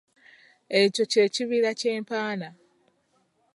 Ekyo kye kibira kye mpaana.